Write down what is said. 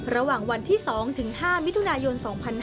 ระหว่างวันที่๒ถึง๕มิถุนายน๒๕๕๙